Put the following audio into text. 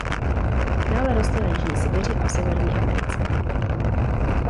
Dále roste na jižní Sibiři a v Severní Americe.